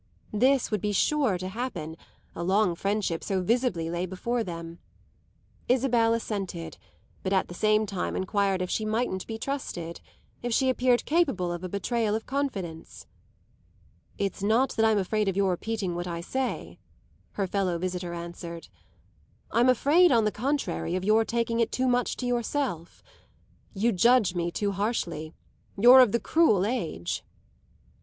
This would be sure to happen, a long friendship so visibly lay before them. Isabel assented, but at the same time enquired if she mightn't be trusted if she appeared capable of a betrayal of confidence. "It's not that I'm afraid of your repeating what I say," her fellow visitor answered; "I'm afraid, on the contrary, of your taking it too much to yourself. You'd judge me too harshly; you're of the cruel age."